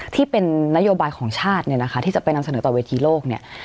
ที่เป็นนโยบายของชาติเนี่ยนะคะที่จะไปนำเสนอต่อเวทีโลกเนี่ย